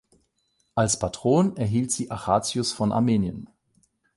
Als Patron erhielt sie Achatius von Armenien.